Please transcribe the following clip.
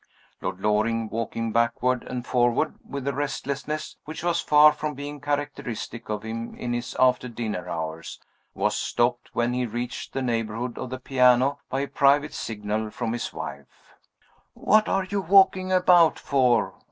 Lord Loring, walking backward and forward, with a restlessness which was far from being characteristic of him in his after dinner hours, was stopped when he reached the neighborhood of the piano by a private signal from his wife. "What are you walking about for?"